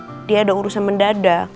tapi tiba tiba dia ada urusan mendadak